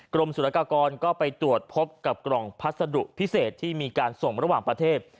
กรมสุรกากรก็ไปตรวจพบกับกล่องพัสดุพิเศษที่มีการส่งระหว่างประเทศ